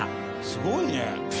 「すごいね！」